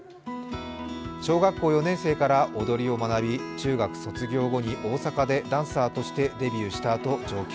小学校４年生から踊りを学び、中学卒業後に大阪でダンサーとしてデビューしたあと上京。